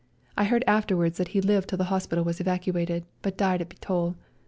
I heard afterwards that he lived till the hospital was evacuated, but died at Bitol.